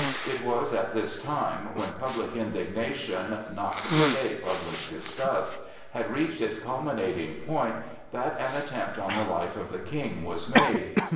It was at this time, when public indignation, not to say public disgust, had reached its culminating point, that an attempt on the life of the King was made.